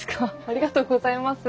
ありがとうございます。